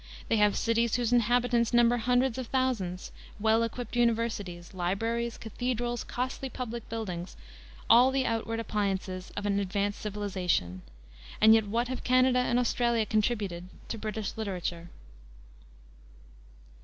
They have cities whose inhabitants number hundreds of thousands, well equipped universities, libraries, cathedrals, costly public buildings, all the outward appliances of an advanced civilization; and yet what have Canada and Australia contributed to British literature?